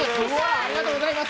ありがとうございます。